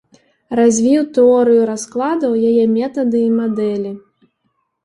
Развіў тэорыю раскладаў, яе метады і мадэлі.